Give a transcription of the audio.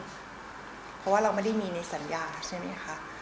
เพราะว่าเราไม่ได้มีในสัญญาใช่ไหมคะ